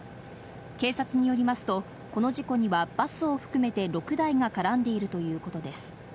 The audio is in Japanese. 警察によりますと、この事故にはバスを含めて６台が絡んでいるということです。